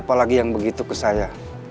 siapa lagi yang begitu ke saya